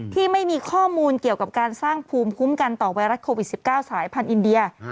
ที่ไม่มีข้อมูลเกี่ยวกับการสร้างภูมิคุ้มกันต่อไวรัสโควิด๑๙สายพันธุ์อินเดีย